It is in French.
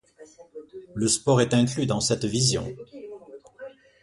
Le sport est inclus dans cette vision.